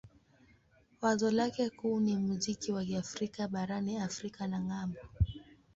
Wazo lake kuu ni muziki wa Kiafrika barani Afrika na ng'ambo.